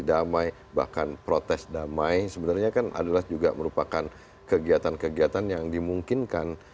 damai bahkan protes damai sebenarnya kan adalah juga merupakan kegiatan kegiatan yang dimungkinkan